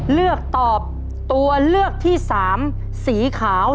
เลือกตอบตัวเลือกที่สามสีขาว